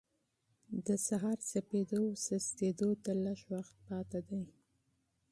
د سهار سپېدې چاودېدو ته لږ وخت پاتې دی.